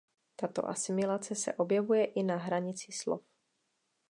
Tato asimilace se objevuje i na hranici slov.